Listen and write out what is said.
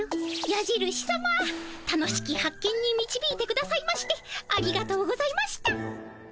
やじるしさま楽しき発見にみちびいてくださいましてありがとうございました。